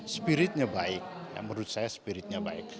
spiritnya baik menurut saya spiritnya baik